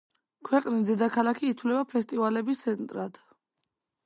ქვეყნის დედაქალაქი ითვლება ფესტივალების ცენტრად.